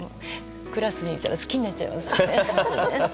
クラスにいたら好きになっちゃいますね。